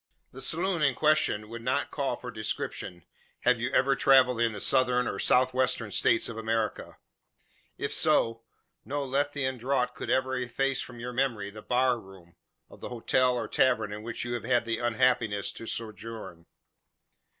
The saloon in question would not call for description, had you ever travelled in the Southern, or South Western, States of America. If so, no Lethean draught could ever efface from your memory the "bar room" of the hotel or tavern in which you have had the unhappiness to sojourn.